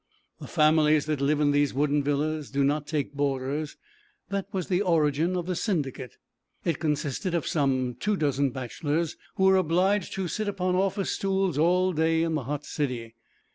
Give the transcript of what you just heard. The families that live in these wooden villas do not take boarders; that was the origin of 'The Syndicate.' It consisted of some two dozen bachelors who were obliged to sit upon office stools all day in the hot city.